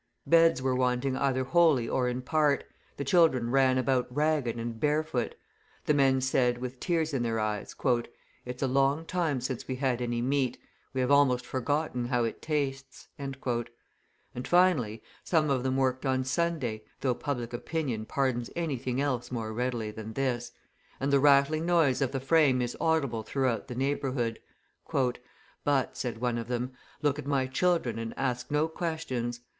Beds were wanting either wholly or in part, the children ran about ragged and barefoot; the men said, with tears in their eyes: "It's a long time since we had any meat; we have almost forgotten how it tastes;" and, finally, some of them worked on Sunday, though public opinion pardons anything else more readily than this, and the rattling noise of the frame is audible throughout the neighbourhood. "But," said one of them, "look at my children and ask no questions.